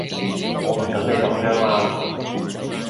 我唔準你噉樣啊